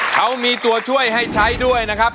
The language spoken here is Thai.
เขามีตัวช่วยให้ใช้ด้วยนะครับ